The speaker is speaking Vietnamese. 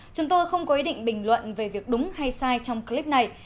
chúng tôi không có ý định bình luận về việc đúng hay sai trong clip này